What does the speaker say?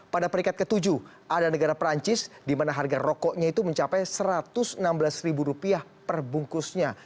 pada peringkat ke tujuh ada negara perancis di mana harga rokoknya itu mencapai rp satu ratus enam belas perbungkusnya